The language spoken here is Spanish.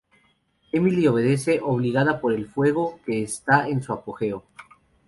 Emily obedece, obligada por el fuego, que está en su apogeo.